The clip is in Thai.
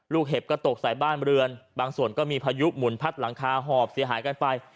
เห็บก็ตกใส่บ้านเรือนบางส่วนก็มีพายุหมุนพัดหลังคาหอบเสียหายกันไป